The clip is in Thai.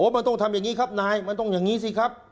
มันต้องทำอย่างนี้ครับนายมันต้องอย่างนี้สิครับ